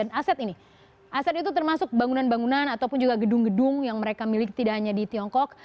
dan aset ini aset itu termasuk bangunan bangunan ataupun juga gedung gedung yang mereka miliki tidak hanya di tiongkok